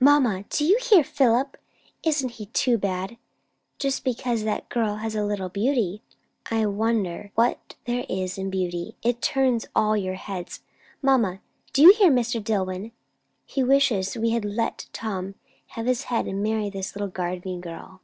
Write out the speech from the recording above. "Mamma, do hear Philip! isn't he too bad? Just because that girl has a little beauty. I wonder what there is in beauty, it turns all your heads! Mamma, do you hear Mr. Dillwyn? he wishes we had let Tom have his head and marry that little gardening girl."